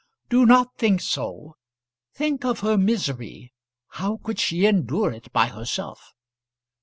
"Do not think so; think of her misery. How could she endure it by herself?"